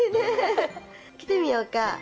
着てみようか。